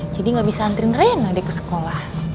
jadi gak bisa anterin rena deh ke sekolah